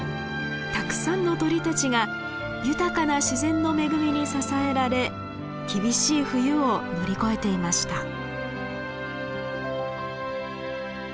たくさんの鳥たちが豊かな自然の恵みに支えられ厳しい冬を乗り越えていました。